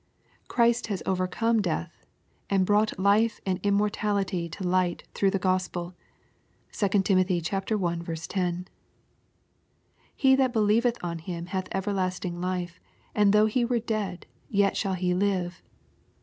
Christ has overcome death, and " brought life and immortality to light through the Gospel.'' (2 Tim. i. 10.) He that believeth on Him hath everlasting life, and though he were dead yet shall he live.